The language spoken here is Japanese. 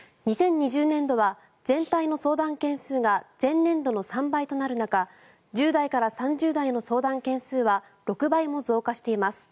２０２０年度は全体の相談件数が前年度の３倍となる中１０代から３０代の相談件数は６倍も増加しています。